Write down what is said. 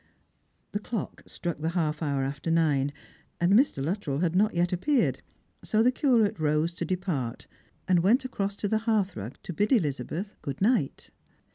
The clock struck the half hour after nine, and Mr. Luttrell had not yet appeared, so the Curate rose to depart, and went across to the hearthrug to bid Elizabeth good night.